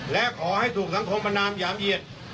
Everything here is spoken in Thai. และขอให้ถูกสังคมประนามหยามเหยียด